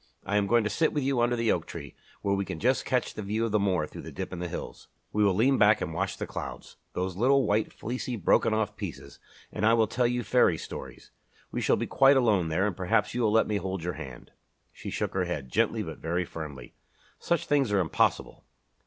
"I am going to sit with you under the oak tree, where we can just catch the view of the moor through the dip in the hills. We will lean back and watch the clouds those little white, fleecy, broken off pieces and I will tell you fairy stories. We shall be quite alone there and perhaps you will let me hold your hand." She shook her head, gently but very firmly. "Such things are impossible."